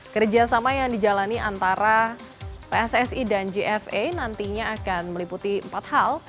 kerjasama yang dijalani antara pssi dan jfa nantinya akan meliputi empat hal